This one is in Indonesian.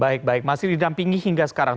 baik baik masih didampingi hingga sekarang